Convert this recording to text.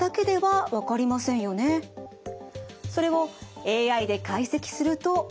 それをＡＩで解析すると。